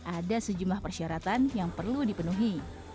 ada sejumlah persyaratan yang perlu dipenuhi